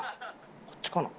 こっちかな？